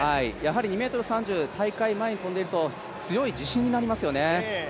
２ｍ３０、大会前に跳んでいると強い自信になりますよね。